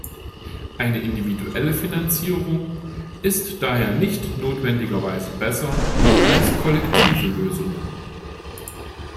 Eine individuelle Finanzierung ist daher nicht notwendigerweise besser als kollektive Lösungen.